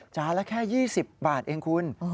จานละแค่๒๐บาทเองคุณ